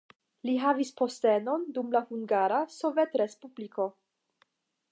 Li havis postenon dum la Hungara Sovetrespubliko.